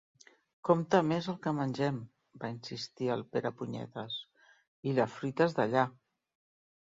Compta més el que mengem —va insistir el Perepunyetes—, i la fruita és d'allà.